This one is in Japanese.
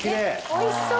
おいしそう！